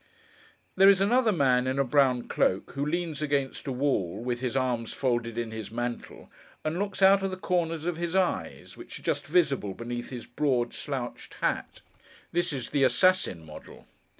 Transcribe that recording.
There is another man in a brown cloak, who leans against a wall, with his arms folded in his mantle, and looks out of the corners of his eyes: which are just visible beneath his broad slouched hat. This is the assassin model.